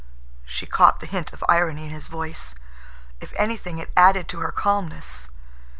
She caught the hint of irony in his voice. If anything, it added to her calmness.